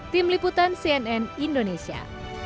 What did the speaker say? tim liputan cnn indonesia